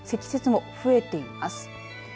積雪も増えています。